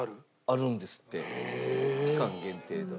あるんですって期間限定で。